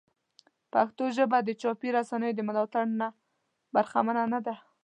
پښتو ژبه د چاپي رسنیو د ملاتړ نه برخمنه نه ده.